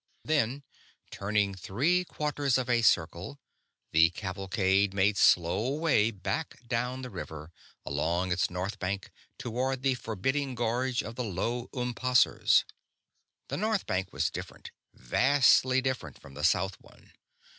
Then, turning three quarters of a circle, the cavalcade made slow way back down the river, along its north bank, toward the forbidding gorge of the Low Umpasseurs. The north bank was different, vastly different, from the south one.